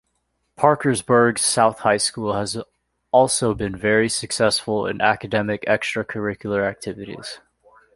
Parkersburg South High School has also been very successful in academic extracurricular activities.